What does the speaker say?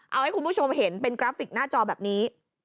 เอาให้คุณผู้ชมเห็นเป็นกราฟิกหน้าจอแบบนี้